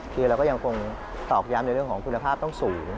คือเราก็ยังคงตอกย้ำในเรื่องของคุณภาพต้องสูง